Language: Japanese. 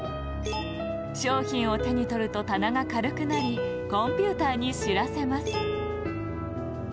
商品をてにとるとたながかるくなりコンピューターにしらせます。